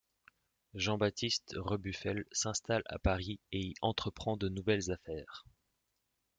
Jean-Baptiste Rebuffel s'installe à Paris et y entreprend de nouvelles affaires.